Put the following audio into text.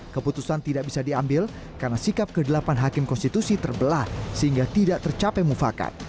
keputusan tidak bisa diambil karena sikap ke delapan hakim konstitusi terbelah sehingga tidak tercapai mufakat